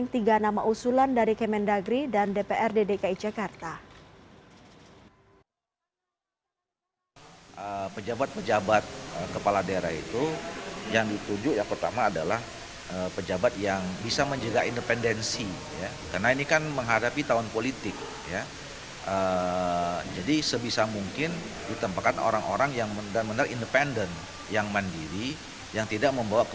tiga nama usulan dari kementerian negeri dan dpr dki jakarta